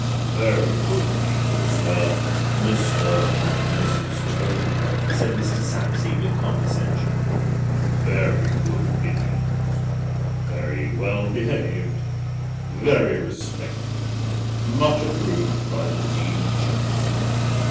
"Very good people, sir, Mr. and Mrs. Tope," said Mr. Sapsea, with condescension. "Very good opinions. Very well behaved. Very respectful. Much approved by the Dean and Chapter."